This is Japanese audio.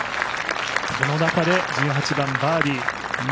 その中で１８番バーディー。